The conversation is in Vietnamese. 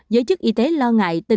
giới chức y tế lo ngại